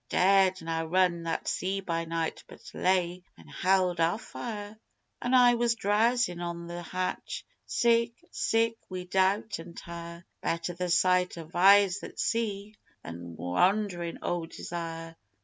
We dared na run that sea by night but lay an' held our fire, An' I was drowzin' on the hatch sick sick wi' doubt an' tire: "_Better the sight of eyes that see than wanderin' o' desire!